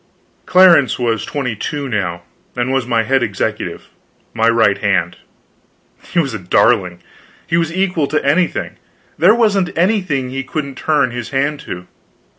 Clarence was twenty two now, and was my head executive, my right hand. He was a darling; he was equal to anything; there wasn't anything he couldn't turn his hand to.